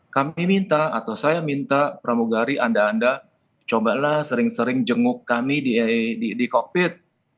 kami minta atau saya minta pramugari anda anda cobalah sering sering jenguk kami di kokpit